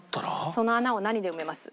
その穴を何で埋めます？